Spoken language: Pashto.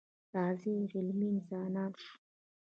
راځئ عملي انسانان شو.